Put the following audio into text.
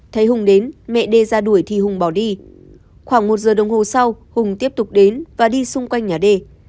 thấy hùng đến mẹ đê ra đuổi thì hùng bỏ đi khoảng một giờ đồng hồ sau hùng tiếp tục đến và đi xung quanh nhà đê